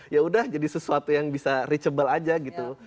ya udah jadi sesuatu yang bisa reachable aja gitu